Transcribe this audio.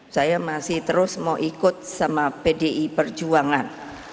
saya masih terus mau ikut sama pdi perjuangan